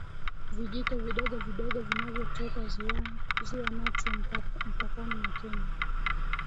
Vijito vidogovidogo vinavyotoka Ziwa Natron mpakani mwa Kenya